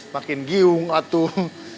makin giung atuh